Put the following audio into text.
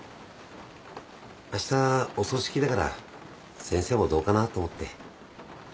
あしたお葬式だから先生もどうかなと思って。